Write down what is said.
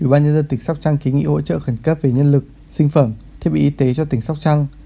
ủy ban nhân dân tỉnh sóc trăng kiến nghị hỗ trợ khẩn cấp về nhân lực sinh phẩm thiết bị y tế cho tỉnh sóc trăng